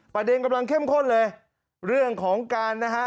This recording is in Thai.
ประเด็นกำลังเข้มข้นเลยเรื่องของการนะฮะ